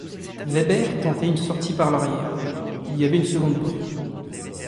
Weber tentait une sortie par l’arrière ; il y avait une seconde porte.